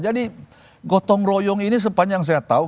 jadi gotong royong ini sepanjang saya tahu